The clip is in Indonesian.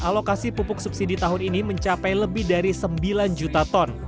alokasi pupuk subsidi tahun ini mencapai lebih dari sembilan juta ton